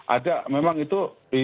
ada memang itu